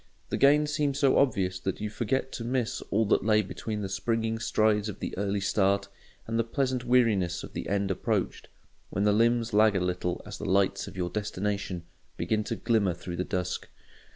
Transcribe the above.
The gain seems so obvious that you forget to miss all that lay between the springing stride of the early start and the pleasant weariness of the end approached, when the limbs lag a little as the lights of your destination begin to glimmer through the dusk.